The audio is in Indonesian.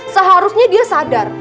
seharusnya dia sadar